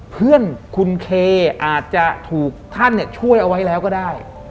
เพื่อนคุณเคอาจจะถูกท่านช่วยเอาไว้แล้วก็ได้